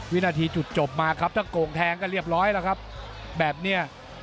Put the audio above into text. วินาทีจุดจบมาครับถ้าโกงแทงก็เรียบร้อยแล้วครับแบบนี้